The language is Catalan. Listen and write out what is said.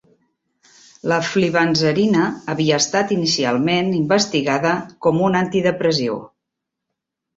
La flibanserina havia estat inicialment investigada com un antidepressiu.